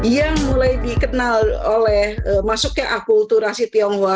yang mulai dikenal oleh masuknya akulturasi tionghoa